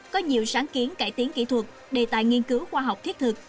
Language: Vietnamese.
có nhiều sáng kiến cải tiến kỹ thuật đề tài nghiên cứu khoa học thiết thực